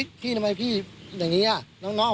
ให้ทางเอาไป